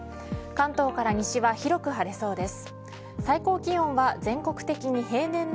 関東から西は広く晴れそうです。